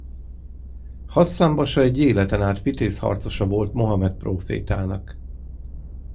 Hasszán basa egy életen át vitéz harcosa volt Mohamed prófétának.